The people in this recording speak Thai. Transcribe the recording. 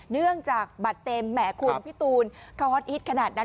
เนื่องจากบัตรเต็มแหมคุณพี่ตูนเขาฮอตฮิตขนาดนั้น